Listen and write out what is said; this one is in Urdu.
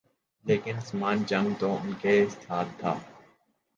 لیکن سامان جنگ تو ان کے ساتھ تھا۔